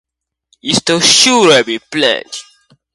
It is shrubby plant.